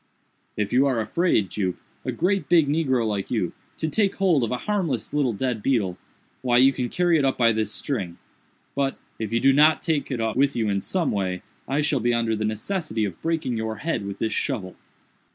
"If you are afraid, Jup, a great big negro like you, to take hold of a harmless little dead beetle, why you can carry it up by this string—but, if you do not take it up with you in some way, I shall be under the necessity of breaking your head with this shovel."